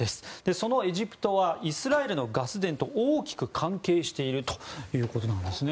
そのエジプトはイスラエルのガス田と大きく関係しているということなんですね。